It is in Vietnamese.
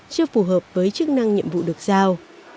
chưa phù hợp với chức năng nhiệm vụ được giao